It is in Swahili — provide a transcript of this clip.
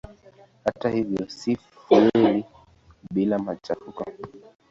Hata hivyo si fueli bila machafuko.